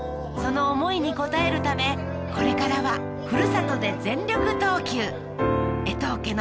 その思いに応えるためこれからはふるさとで全力投球えとう